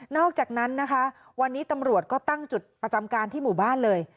อกจากนั้นนะคะวันนี้ตำรวจก็ตั้งจุดประจำการที่หมู่บ้านเลย